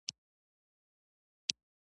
د شاعر زړه د خلکو احساس ښيي.